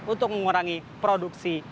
untuk mengurangi produksi